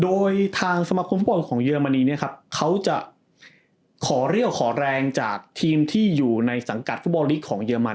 โดยทางสมาคมฟุตบอลของเยอรมนีเนี่ยครับเขาจะขอเรี่ยวขอแรงจากทีมที่อยู่ในสังกัดฟุตบอลลีกของเยอรมัน